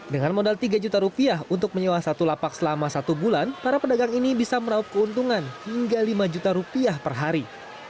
dengan modal tiga juta rupiah untuk menyewa satu lapak selama satu bulan para pedagang ini bisa meraup keuntungan hingga lima juta rupiah per hari